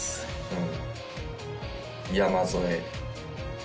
うん。